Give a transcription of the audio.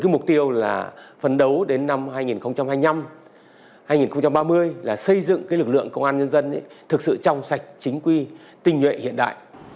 mục tiêu là phấn đấu đến năm hai nghìn hai mươi năm hai nghìn ba mươi là xây dựng lực lượng công an nhân dân thực sự trong sạch chính quy tinh nhuệ hiện đại